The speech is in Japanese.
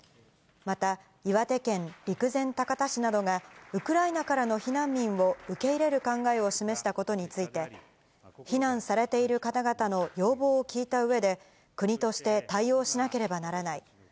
また岩手県陸前高田市などが、ウクライナからの避難民を受け入れる考えを示したことについて、避難されている方々の要望を聞いたうえで、国として対応しなければならない。